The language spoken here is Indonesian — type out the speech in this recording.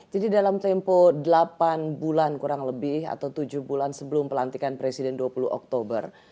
jadi dalam tempoh delapan bulan kurang lebih atau tujuh bulan sebelum pelantikan presiden dua puluh oktober